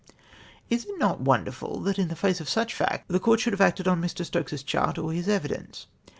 Is it not wonderful that in face of such facts, tlie Court should have acted on Mr. Stokes's chart or his evidence